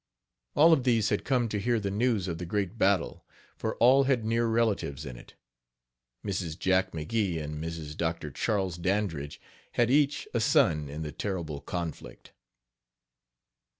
All of these had come to hear the news of the great battle, for all had near relatives in it. Mrs. Jack McGee and Mrs. Dr. Charles Dandridge had each a son in the terrible conflict.